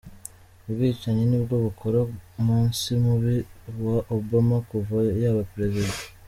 Ubwicanyi nibwo bukora munsi mubi wa Obama kuva yaba perezida